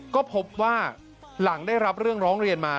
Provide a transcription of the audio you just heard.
ก็พบว่าหลังได้รับเรื่องร้องเรียนมา